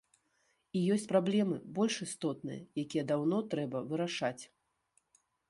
І ёсць праблемы больш істотныя, якія даўно трэба вырашаць.